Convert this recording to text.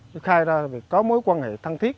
được khai ra vì có mối quan hệ thân thiết